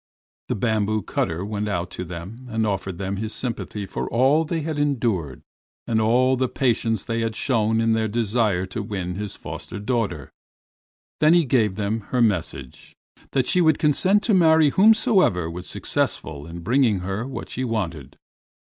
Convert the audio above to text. The bamboo cutter went out to them and offered them his sympathy for all they had endured and all the patience they had shown in their desire to win his foster daughter. Then he gave them her message, that she would consent to marry whosoever was successful in bringing her what she wanted.